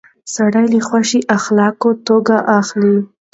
خلک له خوش اخلاقه سړي توکي اخلي.